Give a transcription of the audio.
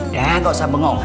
ya gak usah bengong